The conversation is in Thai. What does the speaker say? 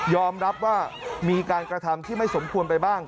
รับว่ามีการกระทำที่ไม่สมควรไปบ้าง